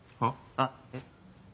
あっえっ？